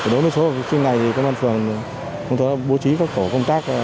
đối với số học sinh này công an phường bố trí các tổ công tác